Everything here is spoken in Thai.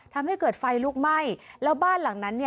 ทำให้เกิดไฟลุกไหม้แล้วบ้านหลังนั้นเนี่ย